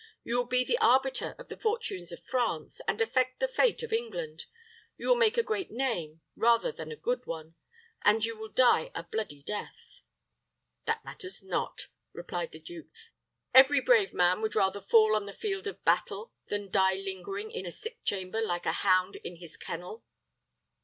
You will be the arbiter of the fortunes of France, and affect the fate of England. You will make a great name, rather than a good one; and you will die a bloody death." "That matters not," replied the duke. "Every brave man would rather fall on the field of battle than die lingering in a sick chamber, like a hound in his kennel."